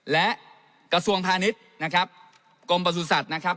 และกระทรวงพาณิชย์นะครับกรมประสุทธิ์นะครับ